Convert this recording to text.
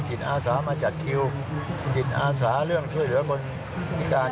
อาสามาจัดคิวจิตอาสาเรื่องช่วยเหลือคนพิการ